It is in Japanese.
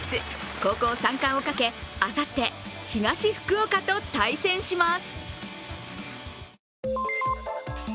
高校三冠をかけ、あさって東福岡と対戦します。